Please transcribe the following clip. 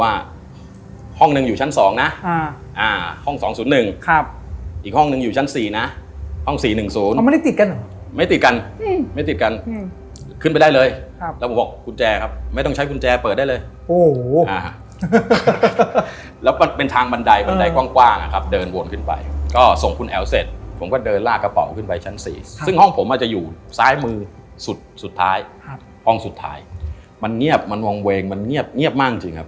สี่นะห้องสี่หนึ่งศูนย์ไม่ติดกันไม่ติดกันไม่ติดกันขึ้นไปได้เลยครับแล้วผมบอกคุณแจครับไม่ต้องใช้คุณแจเปิดได้เลยโอ้โหแล้วมันเป็นทางบันไดบันไดกว้างกว้างอะครับเดินวนขึ้นไปก็ส่งคุณแอ๋วเสร็จผมก็เดินลากระป๋องขึ้นไปชั้นสี่ซึ่งห้องผมอาจจะอยู่ซ้ายมือสุดสุดท้ายครับห้องสุดท้ายมันเงียบม